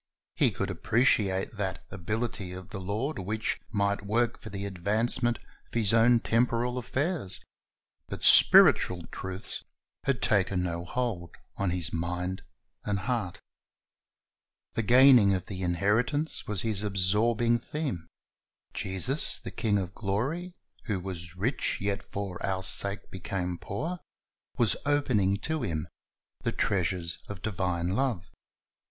He could appreciate that ability of the Lord which might work for the advancement of his own temporal affairs; but spiritual truths had taken no hold on his mind and heart. The gaining of the inheritance was his absorbing theme. Jesus, the King of gloiy, who was rich, yet for our sake became poor, was opening to him the treasures of divine love.